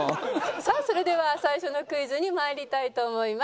さあそれでは最初のクイズにまいりたいと思います。